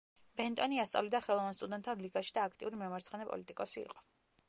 ბენტონი ასწავლიდა ხელოვან სტუდენტთა ლიგაში და აქტიური მემარცხენე პოლიტიკოსი იყო.